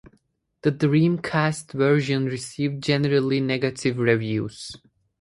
The Dreamcast version received generally negative reviews.